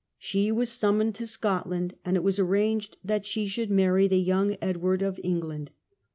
She was summoned to Scotland, and it was arranged that she should marry the young Edward of England.